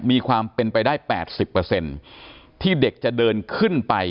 มีความเป็นไปได้๘๐ที่เด็กจะเดินขึ้นไป